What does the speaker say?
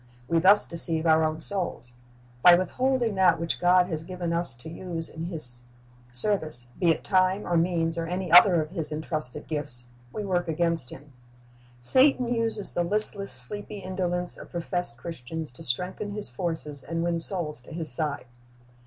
We thus deceive our own souls. By withholding that which God has eiven us to use in His service, be it time or means or any other of His entrusted gifts, we work against Him. Satan uses the listless, sleepy indolence of professed Christians to strengthen his forces and win souls to his side.